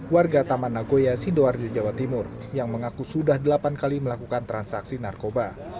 warga taman nagoya sidoarjo jawa timur yang mengaku sudah delapan kali melakukan transaksi narkoba